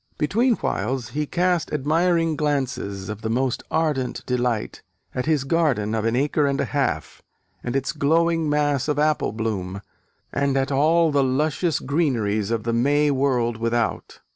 Between whiles he cast admiring glances of the most ardent delight at his garden of an acre and a half, and its glowing mass of apple bloom, and at all the luscious greeneries of the May world without.